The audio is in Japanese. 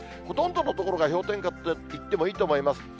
ほとんどの所が氷点下と言ってもいいと思います。